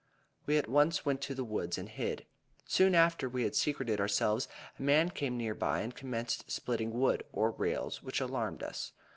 We at once went to the woods and hid. Soon after we had secreted ourselves a man came near by and commenced splitting wood, or rails, which alarmed us.